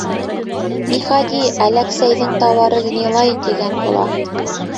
— Не ходи, Әләксәйҙең тауары гнилай, тигән була.